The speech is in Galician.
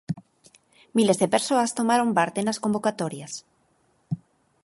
Miles de persoas tomaron parte nas convocatorias.